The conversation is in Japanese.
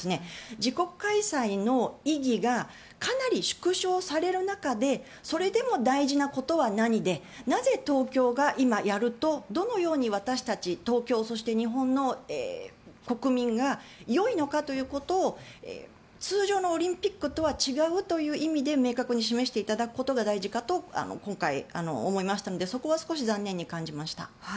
自国開催の意義がかなり縮小される中でそれでも大事なことは何でなぜ東京が今、やるとどのように私たち東京、そして日本の国民がよいのかということを通常のオリンピックとは違うという意味で明確に示していただくことが大事かと今回、思いましたのでそこは少し残念に感じました。